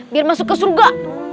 biar masuk ke surga